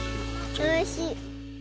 おいしい。